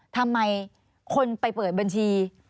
ทำไมคนไปเปิดบัญชี